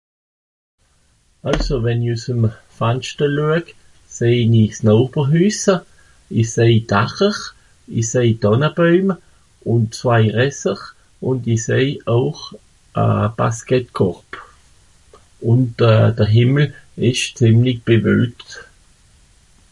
Àlso, wenn i üs'm Fanschter lüeg, seh i ni s'Nochberhüssa, i säi Dacher, i säi Dànnaboeime, ùn zwei Rèsser, ùn i säi auch euh... Basketkorb. Ùn de... de Hìmmel ìsch zìemlig bewölkt.